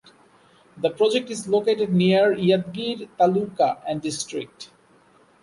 The project is located near Yadgir Taluka and District.